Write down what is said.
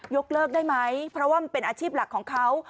กเลิกได้ไหมเพราะว่ามันเป็นอาชีพหลักของเขา